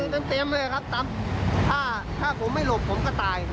เต็มเต็มเลยครับถ้าถ้าผมไม่หลบผมก็ตาย